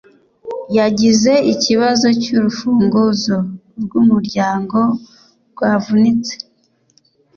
Yagize ikibazo cyurufunguzo rwumuryango rwavunitse.